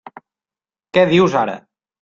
Què dius ara!